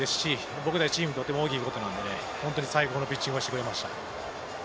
僕達チームにとっても大きいことなので、最高のピッチングをしてくれました。